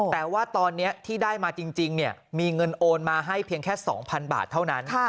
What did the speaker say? แต่ว่าตอนนี้ที่ได้มาจริงมีเงินโอนมาให้เพียงแค่๒๐๐บาทเท่านั้น